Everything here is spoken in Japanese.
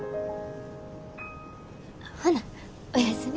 ほなおやすみ。